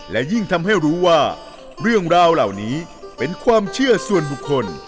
และยิ่งทำให้รู้ว่าเรื่องราวเหล่านี้เป็นความเชื่อส่วนบุคคล